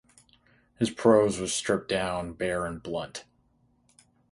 His prose was stripped down, bare and blunt.